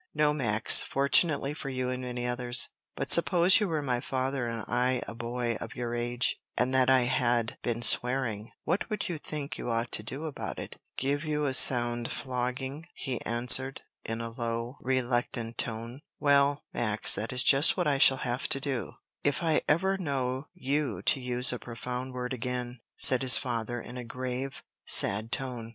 "No, Max, fortunately for you and many others. But suppose you were my father and I a boy of your age, and that I had been swearing, what would you think you ought to do about it?" "Give you a sound flogging," he answered, in a low, reluctant tone. "Well, Max, that is just what I shall have to do, if I ever know you to use a profane word again," said his father, in a grave, sad tone.